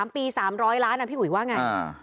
๓ปี๓๐๐ล้านนะพี่อุ๋ยว่าไง